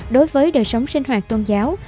đối với đời sống sinh hoạt tôn giáo